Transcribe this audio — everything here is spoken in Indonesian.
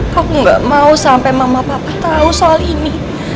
kau gak mau sampai mama papa tahu soal ini